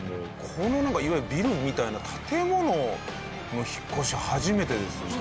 このなんかいわゆるビルみたいな建物の引っ越し初めてですね。